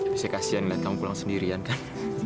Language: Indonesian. biasanya kasihan lihat kamu pulang sendirian kan